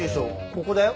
ここだよ。